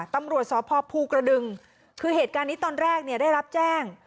ตำรวจสพภูกระดึงคือเหตุการณ์นี้ตอนแรกเนี่ยได้รับแจ้ง